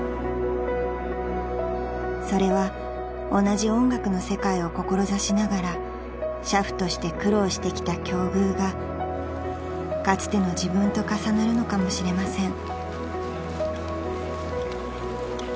［それは同じ音楽の世界を志しながら俥夫として苦労してきた境遇がかつての自分と重なるのかもしれません］